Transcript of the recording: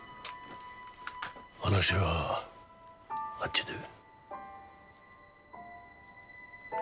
話はあっちで。